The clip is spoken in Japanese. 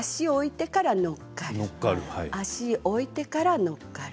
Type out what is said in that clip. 足を置いてから乗っかる。